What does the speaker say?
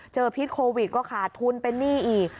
พิษโควิดก็ขาดทุนเป็นหนี้อีก